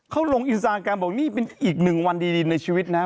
เขาลงอินสตาแกรมบอกนี่เป็นอีกหนึ่งวันดีในชีวิตนะ